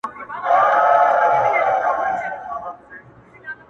چي ما وويني پر بله لار تېرېږي-